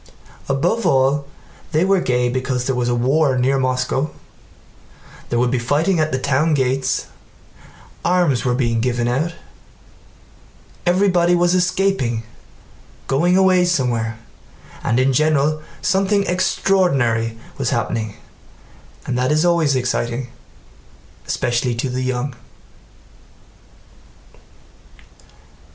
Above all, they were gay because there was a war near Moscow, there would be fighting at the town gates, arms were being given out, everybody was escaping—going away somewhere, and in general something extraordinary was happening, and that is always exciting, especially to the young.